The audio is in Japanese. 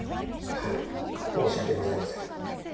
はい申し訳ございません。